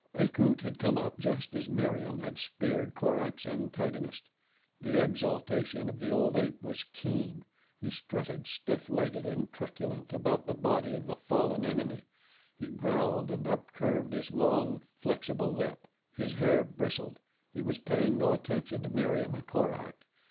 Akut had come up just as Meriem had speared Korak's antagonist. The exultation of the old ape was keen. He strutted, stiff legged and truculent about the body of the fallen enemy. He growled and upcurved his long, flexible lip. His hair bristled. He was paying no attention to Meriem and Korak.